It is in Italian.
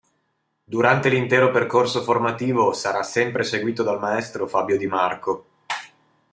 Durante l'intero percorso formativo sarà sempre seguito dal maestro Fabio Di Marco.